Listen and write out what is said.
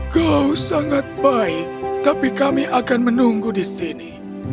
kau sangat baik tapi kami akan menunggu di sini